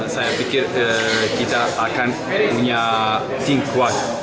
saya pikir kita akan punya singkuas